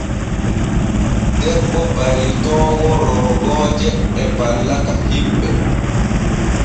Debbo baylitoowo roogooje e ballaka himɓe.